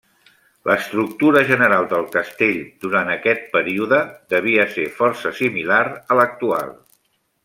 L'estructura general del castell, durant aquest període, devia ser força similar a l'actual.